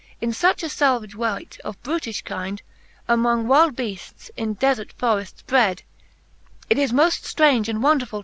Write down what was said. In fuch a falvage wight, of brutifli kynd, Amongft wild beaftes in defert forreft s bred, It is moft ftraunge and wonderful!